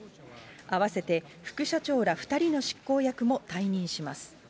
併せて副社長ら２人の執行役も退任します。